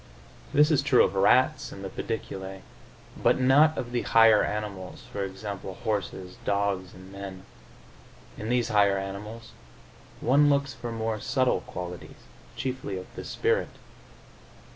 This is true of rats and the pediculae, but not of the higher animals, e. g., horses, dogs and men. In these higher animals one looks for more subtle qualities, chiefly of the spirit.